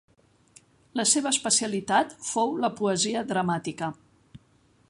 La seva especialitat fou la poesia dramàtica.